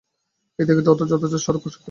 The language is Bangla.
এই ত্যাগের অর্থ যথার্থ স্বরূপকে স্বীকার করা।